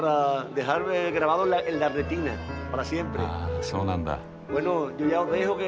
あそうなんだ！